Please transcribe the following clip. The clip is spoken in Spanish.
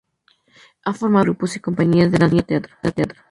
Ha formado parte de grupos y compañías de Danza-Teatro.